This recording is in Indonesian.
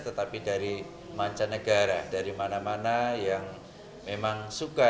tetapi dari mancanegara dari mana mana yang memang suka